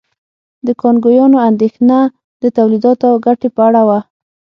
د کانګویانو اندېښنه د تولیداتو او ګټې په اړه وه.